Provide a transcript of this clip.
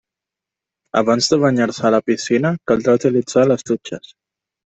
Abans de banyar-se a la piscina caldrà utilitzar les dutxes.